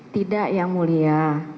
tidak yang mulia